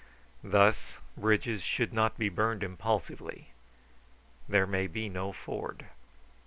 Thus, bridges should not be burned impulsively; there may be no ford.